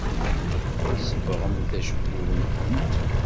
Tsebbɣemt acebbub-nwent?